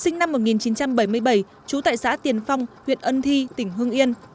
sinh năm một nghìn chín trăm bảy mươi bảy trú tại xã tiền phong huyện ân thi tỉnh hương yên